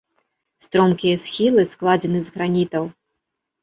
Стромкія схілы складзены з гранітаў.